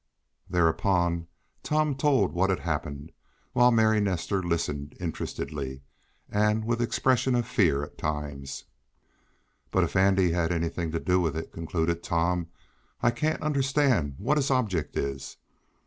Thereupon Tom told what had happened, while Mary Nestor listened interestedly and with expressions of fear at times. "But if Andy had anything to do with it," concluded Tom, "I can't understand what his object is.